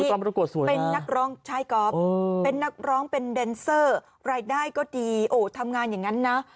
เป็นนักร้องใช่ก๊อฟเป็นนักร้องเป็นแดนเซอร์รายได้ก็ดีโอ้ทำงานอย่างนั้นนะ